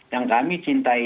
yang kami cintai